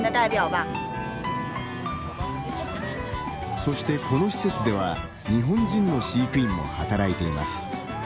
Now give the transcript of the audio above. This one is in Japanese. そしてこの施設では日本人の飼育員も働いています。